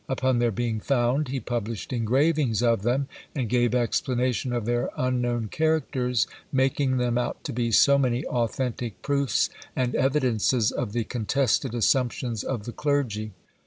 Upon their being found, he published engravings of them, and gave explanations of their unknown characters, making them out to be so many authentic proofs and evidences of the contested assumptions of the clergy.